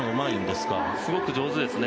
すごく上手ですね。